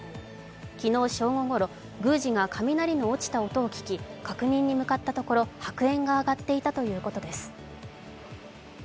昨日正午ごろ、宮司が雷の落ちた音を聞き確認に向かったところ、白煙が上がっていたということです。